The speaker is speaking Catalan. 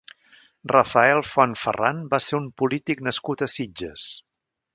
Rafael Font Farran va ser un polític nascut a Sitges.